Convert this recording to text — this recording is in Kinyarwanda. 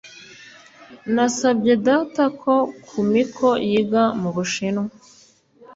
Nasabye data ko Kumiko yiga mu Bushinwa